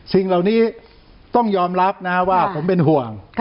สิ่งเหล่านี้ต้องยอมรับนะว่าผมเป็นห่วง